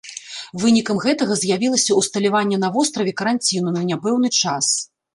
Вынікам гэтага з'явілася ўсталяванне на востраве каранціну на няпэўны час.